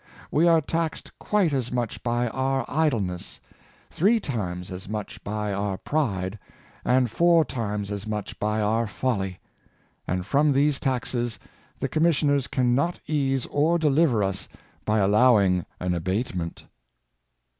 We are taxed quite as much by our idleness, 408 Slavery of Drinh, three times as much by our pride, and four times as much by our folly; and from these taxes the commis sioners can not ease or deliver us by allowing an abate ment.''